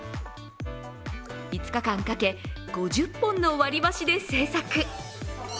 ５日間かけ、５０本の割り箸で製作。